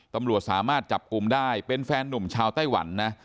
ตำรวจสามารถจับกลุ่มได้เป็นแฟนหนุ่มชาวไต้หวันนะ